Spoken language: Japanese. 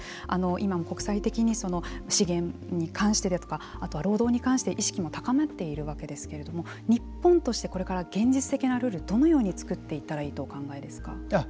今も国際的に資源に関してですとかあとは労働に関して意識も高まっているわけですけれども日本としてこれから現実的なルールをどのように作っていったらいいとお考えですか。